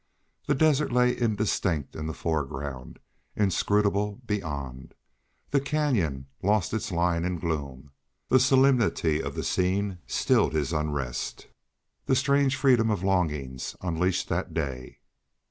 The desert lay indistinct in the foreground, inscrutable beyond; the canyon lost its line in gloom. The solemnity of the scene stilled his unrest, the strange freedom of longings unleashed that day.